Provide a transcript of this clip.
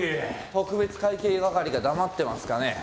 特別会計係が黙ってますかね？